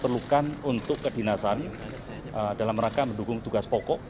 perlukan untuk kedinasan dalam rangka mendukung tugas pokok